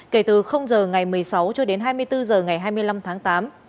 kể từ giờ ngày một mươi sáu cho đến hai mươi bốn h ngày hai mươi năm tháng tám